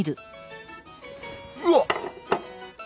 うわっ！